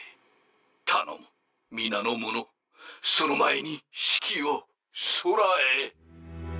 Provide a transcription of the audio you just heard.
頼む皆の者その前にシキを宇宙へ。